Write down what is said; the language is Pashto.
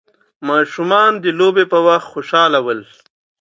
ماشومان د لوبې په وخت خوشحاله ول.